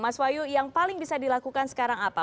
mas wahyu yang paling bisa dilakukan sekarang apa